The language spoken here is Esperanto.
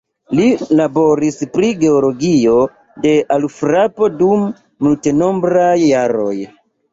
Li laboris pri geologio de alfrapo dum multenombraj jaroj.